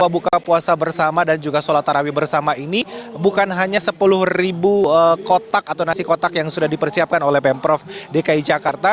buka puasa bersama dan juga sholat tarawih bersama ini bukan hanya sepuluh ribu kotak atau nasi kotak yang sudah dipersiapkan oleh pemprov dki jakarta